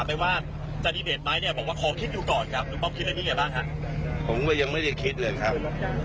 ผมก็ยังไม่ได้คิดเลยครับ